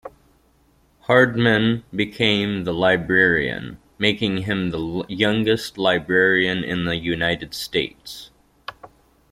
Hardman became the librarian, making him the youngest librarian in the United States.